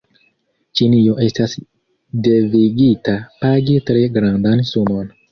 Ĉinio estas devigita pagi tre grandan sumon.